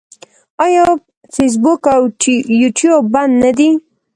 آیا فیسبوک او یوټیوب بند نه دي؟